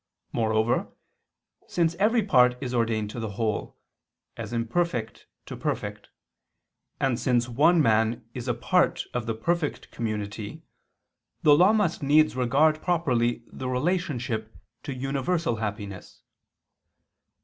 Moreover, since every part is ordained to the whole, as imperfect to perfect; and since one man is a part of the perfect community, the law must needs regard properly the relationship to universal happiness.